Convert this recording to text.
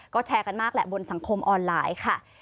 ก็แชร์กันมากแหละบนสังคมออนไลน์ค่ะ